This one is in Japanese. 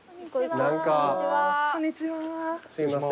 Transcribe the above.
何かすいません。